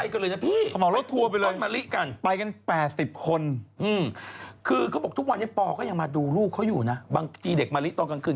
คุณกลับที่เปิดไม่ขนาดไหนไปกันกัน๘๐คน